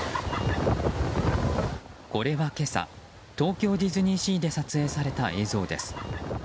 これは今朝東京ディズニーシーで撮影された映像です。